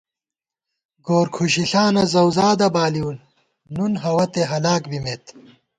گورکھُشِݪانہ زَؤزادہ بالِؤ نُن ہوَتے ہَلاک بِمېت